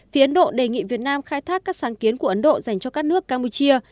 phía ấn độ đề nghị việt nam khai thác các sáng kiến của ấn độ dành cho các nước campuchia